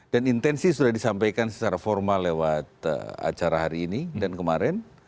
dan intensi sudah disampaikan secara formal lewat acara hari ini dan kemarin